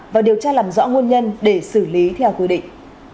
và điều tra làm rõ nguồn nhân để xử lý theo quy định